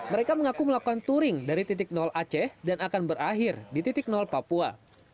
mereka mengaku melakukan touring dari titik nol aceh dan akan berakhir di titik papua